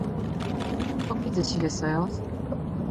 커피 드시겠어요?